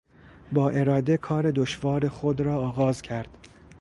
با اراده کار دشوار خود را آغاز کرد.